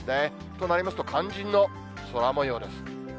となりますと、肝心の空もようです。